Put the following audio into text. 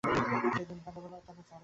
সেইদিন সন্ধ্যাবেলায় অত্যন্ত ঝড় হইতেছে।